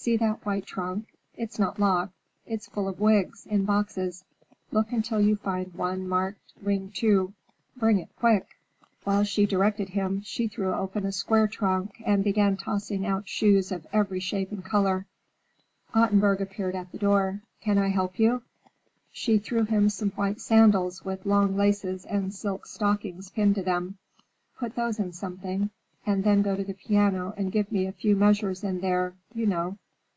"See that white trunk? It's not locked. It's full of wigs, in boxes. Look until you find one marked 'Ring 2.' Bring it quick!" While she directed him, she threw open a square trunk and began tossing out shoes of every shape and color. Ottenburg appeared at the door. "Can I help you?" She threw him some white sandals with long laces and silk stockings pinned to them. "Put those in something, and then go to the piano and give me a few measures in there—you know."